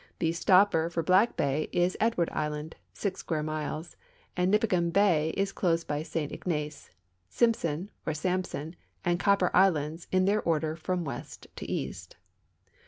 The " stopper " for Black bay is Edward island (6 square miles), and Nipigon bay is closed by St Ignace, Simpson (or Sampson), and Copper islands in their order from west to east.